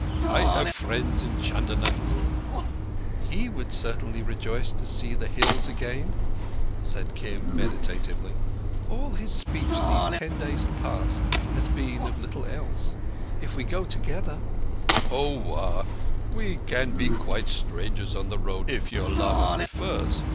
I have friends in Chandernagore." "He would certainly rejoice to see the Hills again," said Kim meditatively. "All his speech these ten days past has been of little else. If we go together—" "Oah! We can be quite strangers on the road, if your lama prefers.